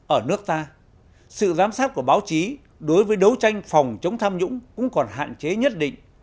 ở nước ta sự giám sát của báo chí đối với đấu tranh phòng chống tham nhũng cũng còn hạn chế nhất định